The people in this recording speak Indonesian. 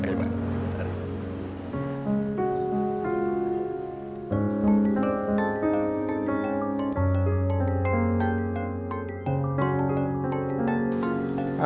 terima kasih pak